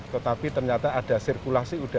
tetapi ternyata ada sirkulasi udara